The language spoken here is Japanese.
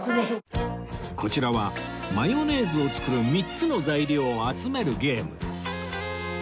こちらはマヨネーズを作る３つの材料を集めるゲーム